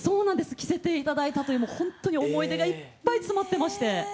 着せて頂いたというほんとに思い出がいっぱい詰まってまして。